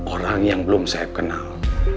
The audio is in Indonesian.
orang yang belum saya kenal